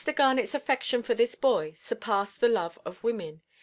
Garnetʼs affection for this boy surpassed the love of women.